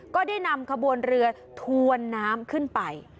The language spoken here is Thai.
ก็ได้นำขบวนเรือถวนน้ำขึ้นไป